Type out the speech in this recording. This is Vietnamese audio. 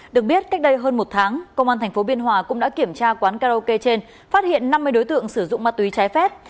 được biết cách đây hơn một tháng công an tp biên hòa cũng đã kiểm tra quán karaoke trên phát hiện năm mươi đối tượng sử dụng ma túy trái phép